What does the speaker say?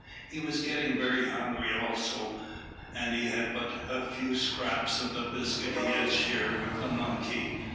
He was getting very hungry also, and he had but a few scraps of the biscuit he had shared with the monkey.